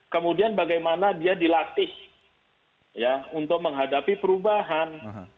kemudian bagaimana dia dilatih untuk menghadapi perubahan